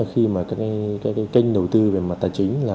khi mà các kênh đầu tư về mặt tài chính là